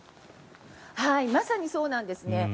まさにそうなんですね。